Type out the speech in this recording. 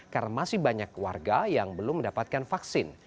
karena masih banyak warga yang belum mendapatkan vaksin